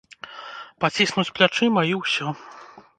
Паціснуць плячыма і ўсё.